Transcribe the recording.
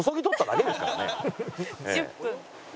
「１０分」